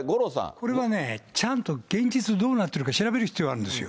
これはね、ちゃんと現実どうなってるか調べる必要あるんですよ。